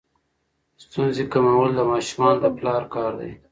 ستونزې کمول د ماشومانو د پلار کار دی.